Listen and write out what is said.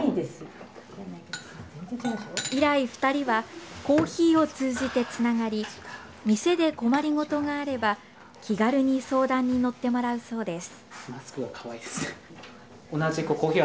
以来、２人はコーヒーを通じてつながり店で困りごとがあれば、気軽に相談に乗ってもらうそうです。